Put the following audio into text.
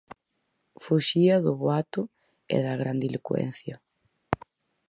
Fuxía do boato e da grandilocuencia.